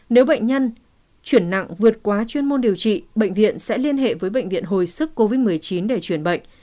nếu bệnh nhân chuyển nặng vượt quá chuyên môn điều trị bệnh viện sẽ liên hệ với bệnh viện hồi sức covid một mươi chín để chuyển bệnh